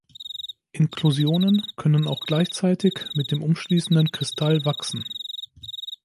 Inklusionen können auch gleichzeitig mit dem umschließenden Kristall wachsen.